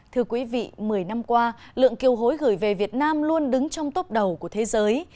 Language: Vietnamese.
thưa quý vị một mươi năm qua lượng kiều hối gửi về việt nam luôn đứng trong tốp đầu của thế giới